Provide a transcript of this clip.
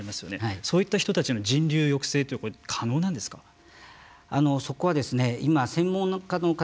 そういった人たちの人流抑制って可能なんですか。